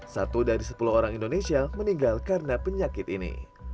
satu dari sepuluh orang indonesia meninggal karena penyakit ini